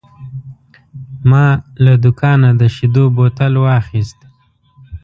ما له دوکانه د شیدو بوتل واخیست.